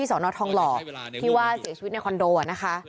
สอนอทองหล่อที่ว่าเสียชีวิตในคอนโดนะคะ